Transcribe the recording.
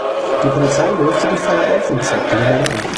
Die Polizei löste die Feier auf und zeigte die Männer an.